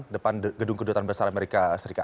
depan gedung kedutaan besar amerika serikat